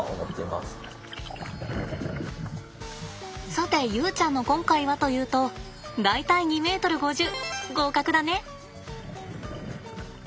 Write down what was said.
さて遊ちゃんの今回はというと大体２ｍ５０合格だね。